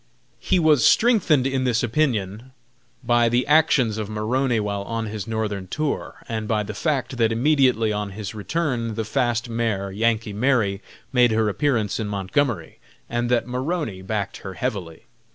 He was strengthened in this opinion by the actions of Maroney while on his Northern tour, and by the fact that immediately on his return the fast mare "Yankee Mary" made her appearance in Montgomery and that Maroney backed her heavily.